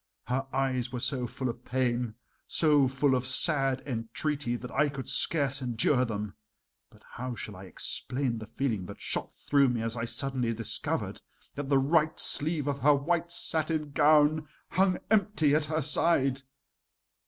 Her eyes were so full of pain, so full of sad entreaty that I could scarce endure them; but how shall I explain the feeling that shot through me as I suddenly discovered that the right sleeve of her white satin gown hung empty at her side?